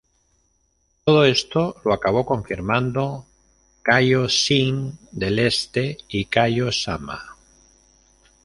Todo esto lo acabó confirmando Kaiō Shin del Este y Kaiō Sama.